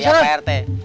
siap pak rete